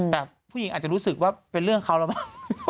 แต่ผู้หญิงอาจจะรู้สึกว่าเป็นเรื่องเขาแล้วบ้าง